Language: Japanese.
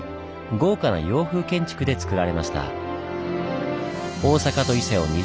豪華な洋風建築でつくられました。